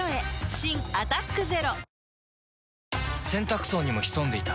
新「アタックＺＥＲＯ」洗濯槽にも潜んでいた。